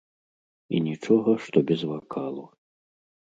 І нічога, што без вакалу.